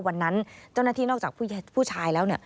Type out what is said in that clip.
วันนั้นเจ้าหน้าที่นอกจากผู้ชายแล้วเนี่ย